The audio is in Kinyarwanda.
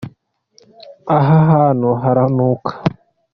ahahantu haranuka.